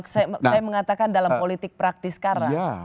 saya mengatakan dalam politik praktis sekarang